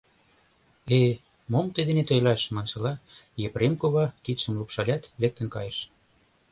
«Э, мом тый денет ойлаш!» маншыла, Епрем кува кидшым лупшалят, лектын кайыш.